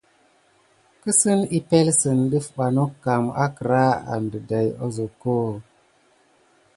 Kisin epəŋle sine def ba nokan əkəra a dayi asokob.